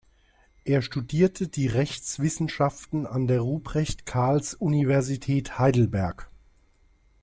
Er studierte die Rechtswissenschaften an der Ruprecht-Karls-Universität Heidelberg.